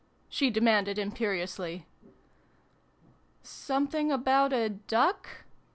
" she demanded imperiously. " Something about a duck